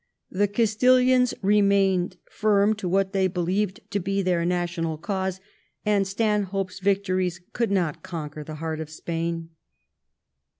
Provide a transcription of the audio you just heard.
The Castilians remained firm to what they believed to be their national cause, and Stan hope's victories could not conquer the heart of Spain.